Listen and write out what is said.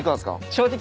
正直。